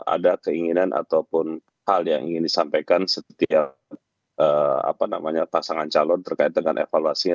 ada keinginan ataupun hal yang ingin disampaikan setiap pasangan calon terkait dengan evaluasinya